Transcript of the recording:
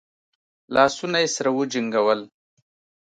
لاسونه يې سره وجنګول.